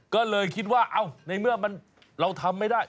ก็เลยคิดว่าในเมื่อเราทำไม่ได้